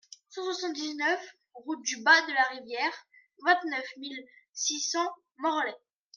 cent soixante-dix-neuf route du Bas de la Rivière, vingt-neuf mille six cents Morlaix